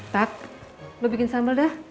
pak lo bikin sambal dah